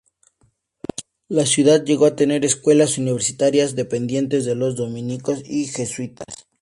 La ciudad llegó a tener escuelas universitarias dependientes de los dominicos y jesuitas.